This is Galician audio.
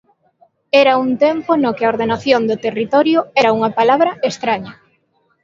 Era un tempo no que ordenación do territorio era unha palabra estraña.